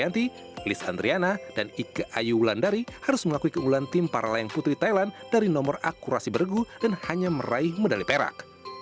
sayangnya list andriana dan ika ayuwulandari harus mengakui keunggulan tim para layang putri thailand dari nomor akurasi beregu dan hanya meraih medali perak